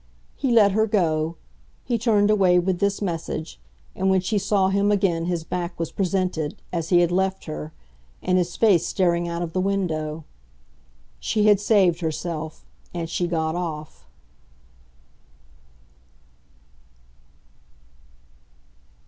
He let her go he turned away with this message, and when she saw him again his back was presented, as he had left her, and his face staring out of the window. She had saved herself and she got off.